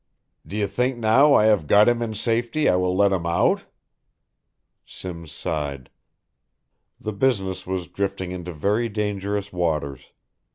D'you think now I have got him in safety I will let him out?" Simms sighed. The business was drifting into very dangerous waters.